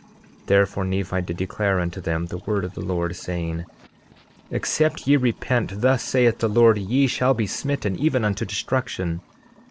10:14 Therefore Nephi did declare unto them the word of the Lord, saying: Except ye repent, thus saith the Lord, ye shall be smitten even unto destruction.